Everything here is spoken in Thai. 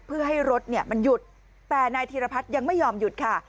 เพื่อให้รถเนี่ยมันหยุดแต่นายธีรพัฒน์ยังไม่ยอมหยุดค่ะ